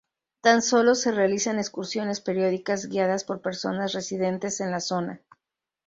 Tan solo se realizan excursiones periódicas guiadas por personas residentes en la zona.